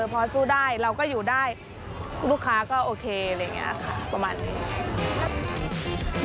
พอสู้ได้เราก็อยู่ได้ลูกค้าก็โอเคอะไรอย่างนี้ค่ะประมาณนี้